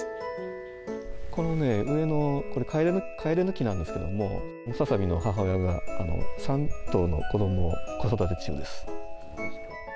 このね、上のこれ、カエデの木なんですけども、ムササビの母親が３頭の子どもを子育て中です。